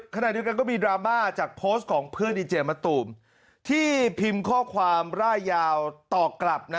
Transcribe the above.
ขณะเดียวกันก็มีดราม่าจากโพสต์ของเพื่อนดีเจมะตูมที่พิมพ์ข้อความร่ายยาวตอบกลับ